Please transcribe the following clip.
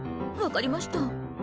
分かりました。